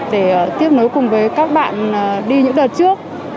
để tiếp nối cùng với các bạn đi những đợt trước